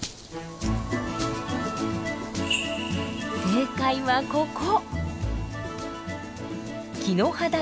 正解はここ！